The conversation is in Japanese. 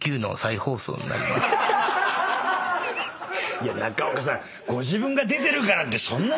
いや中岡さん。